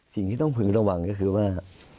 สิ่งที่ต้องพึงระวังก็คือว่า